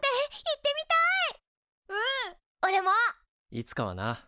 いつかはな。